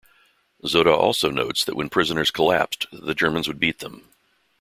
Zotta also notes that when prisoners collapsed the Germans would beat them.